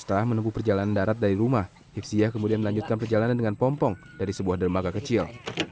setelah menempuh perjalanan darat dari rumah hifziah kemudian melanjutkan perjalanan dengan pompong dari sebuah dermaga kecil